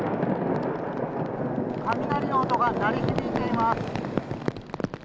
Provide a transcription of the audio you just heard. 雷の音が鳴り響いています。